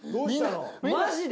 マジで！？